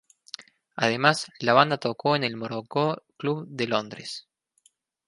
Además, la banda tocó en El Morocco Club de Londres.